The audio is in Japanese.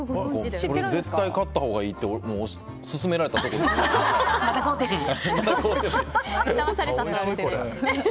絶対勝ったほうがいいって勧められたことある。